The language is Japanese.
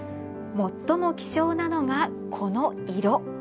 最も希少なのが、この色。